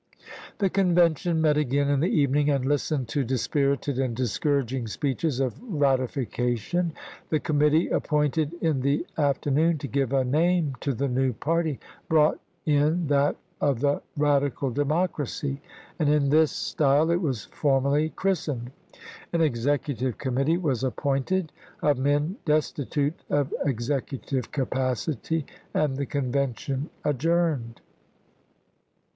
The Convention met again in the evening and listened to dispirited and discouraging speeches of ratification. The committee appointed in the after noon to give a name to the new party, brought in that of the "Radical Democracy," and in this style it was formally christened. An executive committee was appointed, of men destitute of executive capacity, and the Convention adjourned.